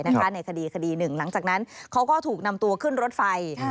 ในคดี๑หลังจากนั้นเขาก็ถูกนำตัวขึ้นรถไฟ